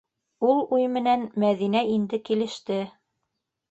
Ул уй менән Мәҙинә инде килеште.